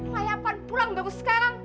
layapan pulang baru sekarang